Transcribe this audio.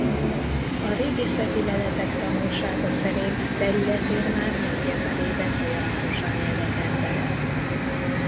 A régészeti leletek tanúsága szerint területén már négyezer éve folyamatosan élnek emberek.